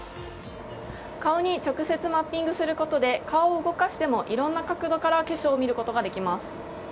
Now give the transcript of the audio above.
顔に直接マッピングすることで顔を動かしてもいろんな角度から化粧を見ることができます。